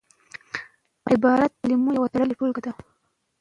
عبارت د کلمو یو تړلې ټولګه ده.